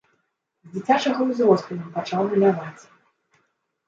З дзіцячага ўзросту ён пачаў маляваць.